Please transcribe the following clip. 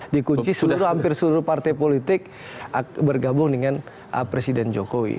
dikunci seluruh hampir seluruh partai politik bergabung dengan presiden jokowi